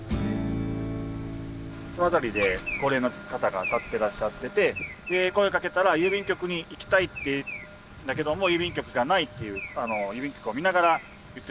この辺りで高齢の方が立ってらっしゃってて声かけたら郵便局に行きたいってだけども郵便局がないって郵便局を見ながら言ってたので。